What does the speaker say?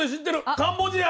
「カンボジア」。